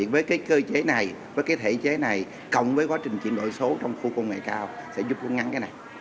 với cái cơ chế này với cái thể chế này cộng với quá trình chuyển đổi số trong khu công nghệ cao sẽ giúp chúng ngắn cái này